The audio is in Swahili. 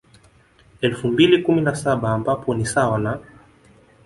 Elfu mbili kumi na saba ambapo ni sawa na